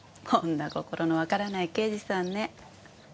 女心のわからない刑事さんね。